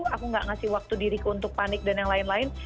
aku gak ngasih waktu diriku untuk panik dan yang lain lain